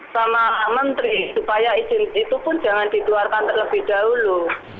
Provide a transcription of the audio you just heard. sama menteri supaya izin itu pun jangan dikeluarkan terlebih dahulu